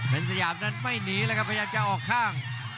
เป็นสยามนั้นไม่หนีเลยครับพยายามจะออกข้าง